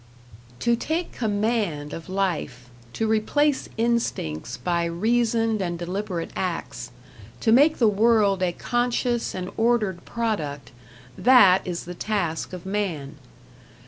To take command of life, to replace instincts by reasoned and deliberate acts, to make the world a conscious and ordered product that is the task of man.